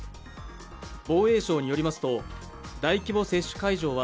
防衛省によりますと、大規模接種会場は